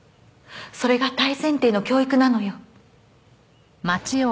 それが大前提の教育なのよ。